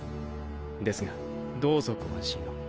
ですがどうぞご安心を。